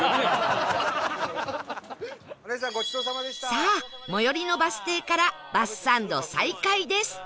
さあ最寄りのバス停からバスサンド再開です